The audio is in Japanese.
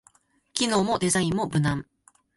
機能もデザインも無難